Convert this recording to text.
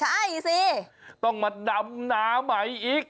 ใช่สิต้องมาดำนาใหม่อีก